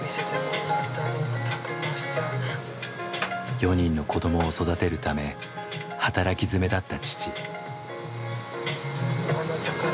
４人の子どもを育てるため働きづめだった父。